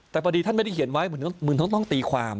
แต่พอดีท่านไม่ได้เขียนไว้เหมือนต้องตีความ